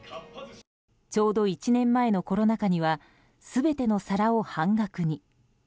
ちょうど１年前のコロナ禍には全ての皿を半額に。